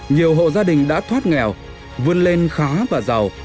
nhiều hộ gia đình đã thoát nghèo vươn lên khá và giàu